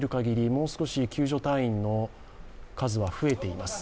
もう少し救助隊員の数は増えています。